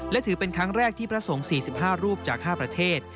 และถือเป็นครั้งแรกที่พระสงฆ์๔๕รูปจาก๕ประเทศ